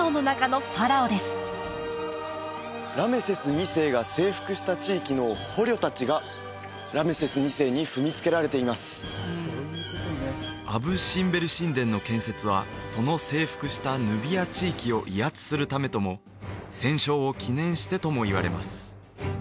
２世が征服した地域の捕虜達がラメセス２世に踏みつけられていますアブ・シンベル神殿の建設はその征服したヌビア地域を威圧するためとも戦勝を記念してともいわれます